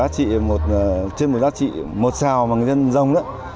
trên một giá trị một xào mà người dân dông